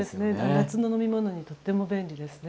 夏の飲み物にとっても便利ですね。